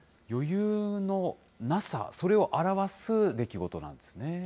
余裕のなさ、それを表す出来事なんですね。